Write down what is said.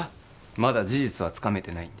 まだ事実はつかめてないんで・